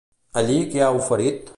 Allí què ha oferit?